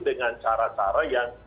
dengan cara cara yang